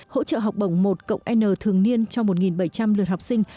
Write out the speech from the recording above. hỗ trợ học bổng một cộng n thường niên cho một bảy trăm linh lượt học sinh